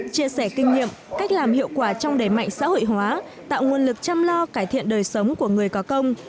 chia sẻ kinh nghiệm cách làm hiệu quả trong đề mạnh xã hội hóa tạo nguồn lực chăm lo cải thiện đời sống của người có công